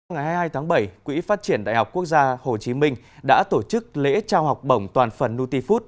ngày hai mươi hai tháng bảy quỹ phát triển đại học quốc gia hồ chí minh đã tổ chức lễ trao học bổng toàn phần nutifood